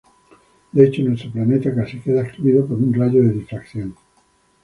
De hecho, nuestro planeta casi queda excluido por un rayo de difracción.